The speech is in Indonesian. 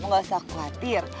kamu gak usah khawatir